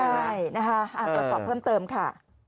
ใช่นะคะตรวจสอบเพิ่มเติมค่ะ